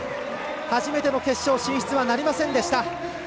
初めての決勝進出はなりませんでした。